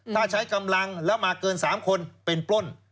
ถ้าใช้กำลังแล้วมาเกิน๓คนเป็นปล้น